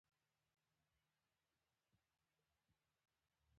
پر پچه وخوت کشمیر یې وکوت.